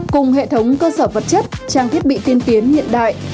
cùng hệ thống cơ sở vật chất trang thiết bị tiên tiến hiện đại